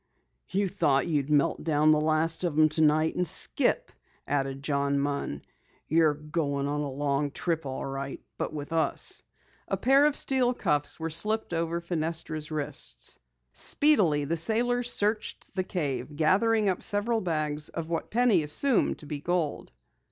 "You thought you'd melt down the last of 'em tonight and skip," added John Munn. "You're goin' on a long trip all right, but with us!" A pair of steel cuffs were slipped over Fenestra's wrists. Speedily, the sailors searched the cave, gathering up several bags of what Penny assumed to be gold.